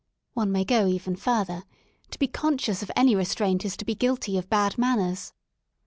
One may go even further: to be conscious of any restraint is to be guilty of bad manners.